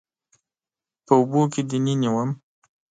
په اوبو کې دننه وم